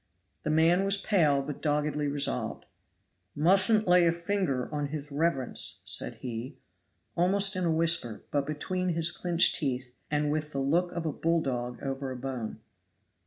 The man was pale but doggedly resolved. "Mustn't lay a finger on his reverence," said he, almost in a whisper, but between his clinched teeth and with the look of a bulldog over a bone.